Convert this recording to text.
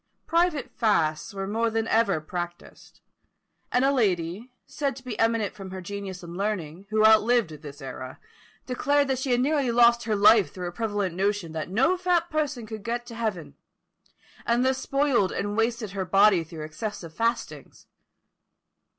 Private fasts were more than ever practised; and a lady, said to be eminent for her genius and learning, who outlived this era, declared that she had nearly lost her life through a prevalent notion that no fat person could get to heaven; and thus spoiled and wasted her body through excessive fastings.